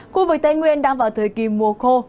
khu vực tây nguyên đang vào thời kỳ mùa khô